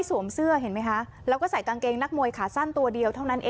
สวัสดีค่ะ